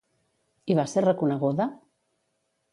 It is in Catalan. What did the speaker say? I va ser reconeguda?